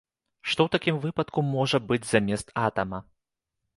Што ў такім выпадку можа быць замест атама?